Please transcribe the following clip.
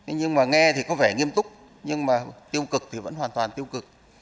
nhưng mà nghe thì có vẻ nghiêm túc nhưng mà tiêu cực thì vẫn hoàn toàn tiêu cực